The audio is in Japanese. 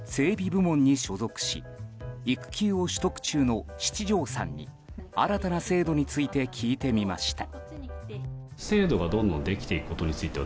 部門に所属し育休を取得中の七条さんに新たな制度について聞いてみました。